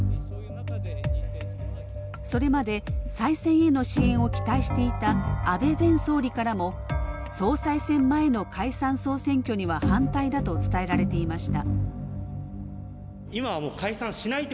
それまで、再選への支援を期待していた安倍前総理からも総裁選前の解散総選挙には反対だと伝えられていました。